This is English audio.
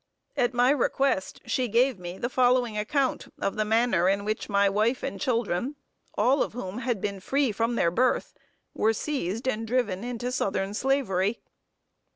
At my request, she gave me the following account of the manner in which my wife and children, all of whom had been free from their birth, were seized and driven into southern slavery.